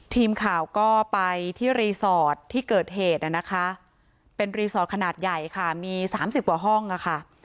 ทีมข่าวก็ไปที่รีสอร์ทที่เกิดเหตุนะคะเป็นรีสอร์ทขนาดใหญ่ค่ะมี๓๐กว่าห้องค่ะ